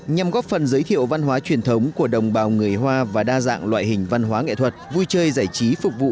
nhằm góp phần giới thiệu văn hóa truyền thống của đồng bào người hoa và đa dạng loại hình văn hóa nghệ thuật vui chơi giải trí phục vụ